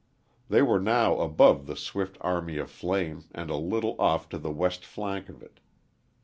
They were now above the swift army of flame and a little off the west flank of it.